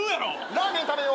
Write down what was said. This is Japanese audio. ラーメン食べよ。